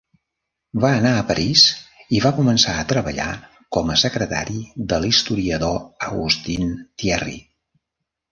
Va anar a París i va començar a treballar com a secretari de l'historiador Augustin Thierry.